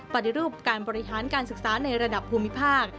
ปฏิรูปการบริหารการศึกษาในระดับภูมิภาค